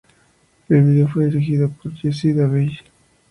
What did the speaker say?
El video fue dirigido por Jesse Davey.